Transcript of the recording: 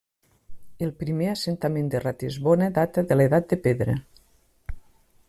El primer assentament de Ratisbona data de l'Edat de Pedra.